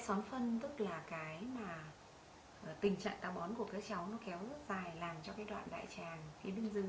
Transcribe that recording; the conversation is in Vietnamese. xoán phân tức là tình trạng táo bón của cháu kéo dài làm cho đại tràng phía bên dưới